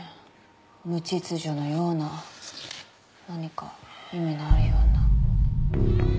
無秩序のような何か意味のあるような。